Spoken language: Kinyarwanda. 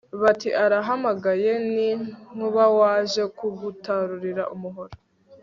Bati arahamagaye Ni Nkuba waje kugutarurira umuhoro »